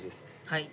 はい。